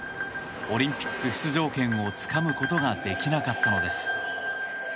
オリンピック出場権をつかむことができなかったのです。